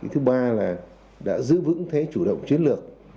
thứ ba là đã giữ vững thế chủ động chiến lược